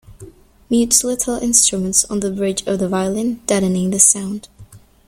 Mutes little instruments on the bridge of the violin, deadening the sound.